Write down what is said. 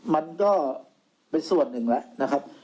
มันก็เป็นส่วนหนึ่งแล้วนะครับ